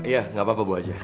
iya nggak apa apa bu haja